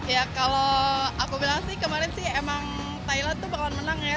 ya kalau aku bilang sih kemarin sih emang thailand tuh bakalan menang ya